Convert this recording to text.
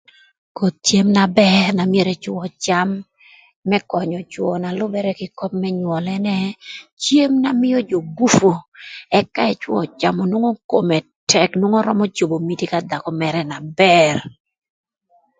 Koth cem na bër na myero ëcwö öcam më könyö cwö na lübërë kï köp më nywöl ënë, cem na mïö jö gupu, ëk ka ëcwö öcamö nwongo kome tëk nwongo römö cobo miti ka dhakö mërë na bër.